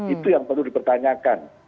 itu yang perlu dipertanyakan